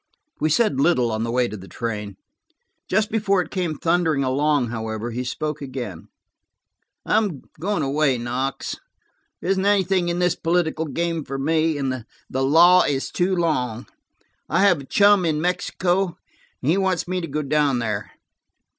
We said little on the way to the train. Just before it came thundering along, however, he spoke again. "I am going away, Knox. There isn't anything in this political game for me, and the law is too long. I have a chum in Mexico, and he wants me to go down there."